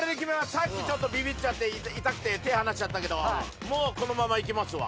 さっきちょっとビビっちゃって痛くて手離しちゃったけどもうこのままいきますわ。